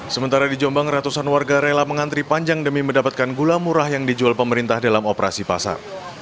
sementara di jombang ratusan warga rela mengantri panjang demi mendapatkan gula murah yang dijual pemerintah dalam operasi pasar